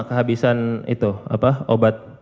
kehabisan itu obat